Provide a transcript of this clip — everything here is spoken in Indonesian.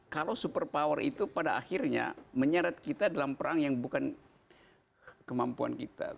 kalau super power itu pada akhirnya menyeret kita dalam perang yang bukan kemampuan kita